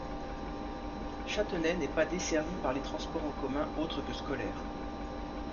Châtenay n'est pas desservi par les transports en commun autres que scolaires.